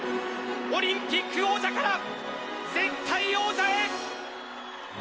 オリンピック王者から絶対王者へ。